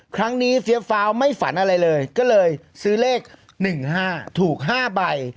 ครั้งนี้เฟียบฟ้าวไม่ฝันอะไรเลยก็เลยซื้อเลข๑๕ถูก๕ใบ